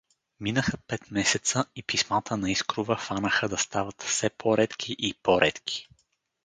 Минаха пет месеца и писмата на Искрова фанаха да стават се по-редки и по-редки.